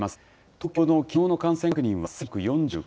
東京のきのうの感染確認は１１４９人。